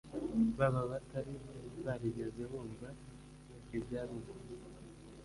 ba batari barigeze bumva iby Arugu